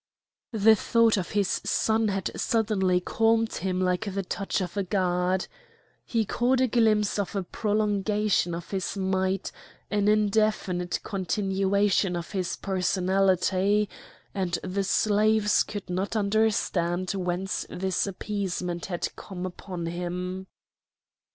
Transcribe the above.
The thought of his son had suddenly calmed him like the touch of a god. He caught a glimpse of a prolongation of his might, an indefinite continuation of his personality, and the slaves could not understand whence this appeasement had come upon him.